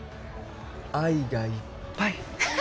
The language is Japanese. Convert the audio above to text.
愛がいっぱい